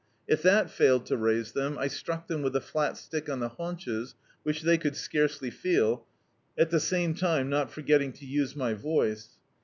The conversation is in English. If that failed to raise them, I struck them with a flat stick on the haunches, which they could scarcely feel, at the same time not forgetting to use my voice.